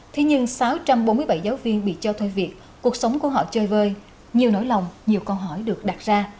thế nhưng sáu trăm bốn mươi bảy giáo viên bị cho thôi việc cuộc sống của họ chơi vơi nhiều nỗi lòng nhiều câu hỏi được đặt ra